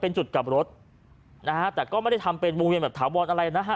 เป็นจุดกลับรถนะฮะแต่ก็ไม่ได้ทำเป็นวงเวียนแบบถาวรอะไรนะฮะ